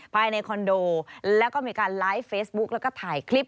ภายในคอนโดแล้วก็มีการไลฟ์เฟซบุ๊กแล้วก็ถ่ายคลิป